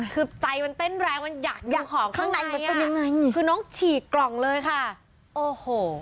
คือใจมันเต้นแรงมันอยากอยู่ของข้างในอ่ะคือน้องฉีกกล่องเลยค่ะโอ้โห